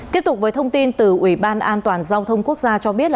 tiếp tục với thông tin từ ủy ban an toàn giao thông quốc gia cho biết